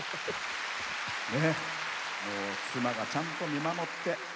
妻が、ちゃんと見守って。